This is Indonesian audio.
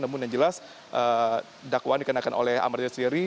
namun yang jelas dakwaan dikenakan oleh ahmad dhani sendiri